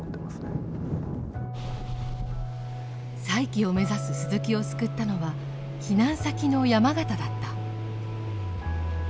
再起を目指す鈴木を救ったのは避難先の山形だった。